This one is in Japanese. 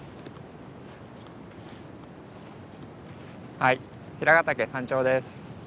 はい平ヶ岳山頂です。